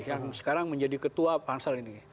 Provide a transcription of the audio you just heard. yang sekarang menjadi ketua pansel ini